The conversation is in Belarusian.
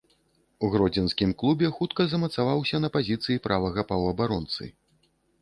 У гродзенскім клубе хутка замацаваўся на пазіцыі правага паўабаронцы.